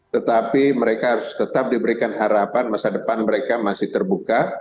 tetapi mereka harus tetap diberikan harapan masa depan mereka masih terbuka